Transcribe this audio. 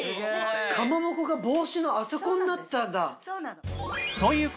かまぼこが帽子のあそこになったんだ。